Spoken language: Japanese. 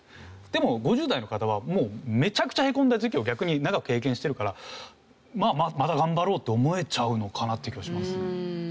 でも５０代の方はめちゃくちゃへこんだ時期を逆に長く経験してるからまあまあまだ頑張ろうと思えちゃうのかな？っていう気はしますね。